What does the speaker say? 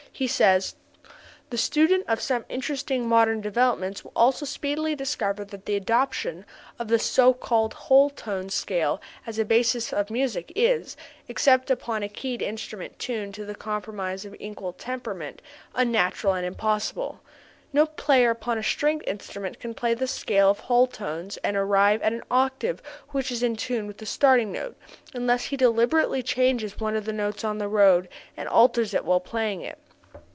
He says: "The student of some interesting modern developments will also speedily discover that the adoption of the so called whole tone scale as a basis of music is, except upon a keyed instrument tuned to the compromise of equal temperament, unnatural and impossible. No player upon a stringed instrument can play the scale of whole tones and arrive at an octave which is in tune with the starting note, unless he deliberately changes one of the notes on the road and alters it while playing it.